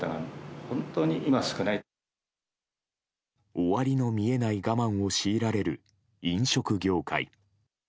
終わりの見えない我慢を強いられる、飲食業界。